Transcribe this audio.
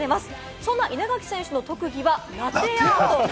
そんな稲垣選手の特技はラテアート。